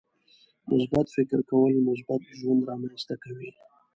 • مثبت فکر کول، مثبت ژوند رامنځته کوي.